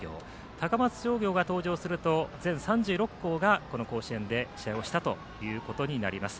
高松商業が登場すると全３６校がこの甲子園で試合をしたということになります。